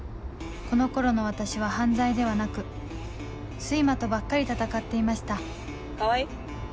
この頃の私は犯罪ではなく睡魔とばっかり闘っていました川合。